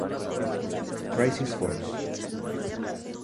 Crisis Force